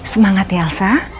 semangat ya elsa